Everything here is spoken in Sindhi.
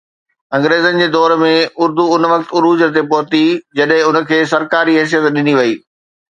انگريزن جي دور ۾ اردو ان وقت عروج تي پهتي، جڏهن ان کي سرڪاري حيثيت ڏني وئي.